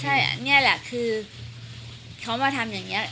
ใช่นี่แหละคือเขามาทำอย่างนี้